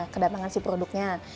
kedatangan si produknya